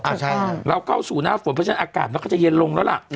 ใช่ค่ะเราเข้าสู่หน้าฝนเพราะฉะนั้นอากาศมันก็จะเย็นลงแล้วล่ะ